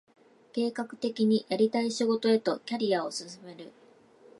計画的にやりたい仕事へとキャリアを進める